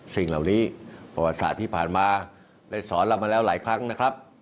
สิ่งเหล่านี้ประวัติศาสตร์ที่ผ่านมาได้สอนเรามาแล้วหลายครั้งนะครับ